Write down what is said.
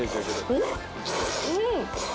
うん。